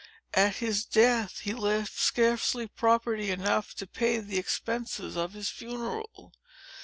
At his death, he left scarcely property enough to pay the expenses of his funeral.